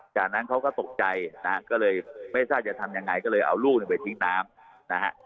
จากนั้นเขาก็ตกใจนะฮะก็เลยไม่ทราบจะทำยังไงก็เลยเอาลูกไปทิ้งน้ำนะฮะ